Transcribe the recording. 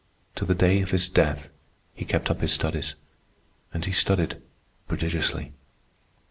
To the day of his death he kept up his studies, and he studied prodigiously.